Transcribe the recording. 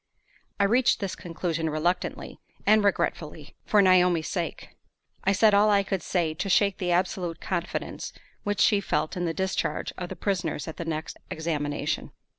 I reached this conclusion reluctantly and regretfully, for Naomi's sake. I said all I could say to shake the absolute confidence which she felt in the discharge of the prisoners at the next examination.